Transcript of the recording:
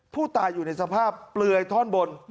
ผู้ตายอยู่ในสภาพเปลือยท่อนบน